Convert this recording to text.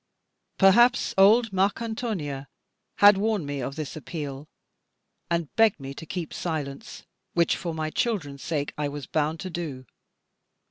Perhaps old Marcantonia had warned me of this appeal, and begged me to keep silence, which for my children's sake I was bound to do.